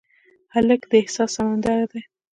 هلک د احساس سمندر دی.